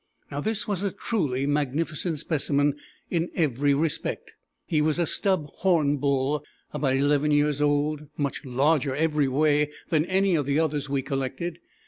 This was a truly magnificent specimen in every respect. He was a "stub horn" bull, about eleven years old, much larger every way than any of the others we collected.